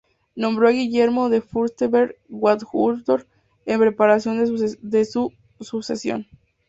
Nombró a Guillermo de Fürstenberg coadjutor en preparación de su sucesión.